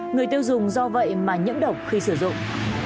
người tiêu dùng do vậy mà nhiễm độc khi sử dụng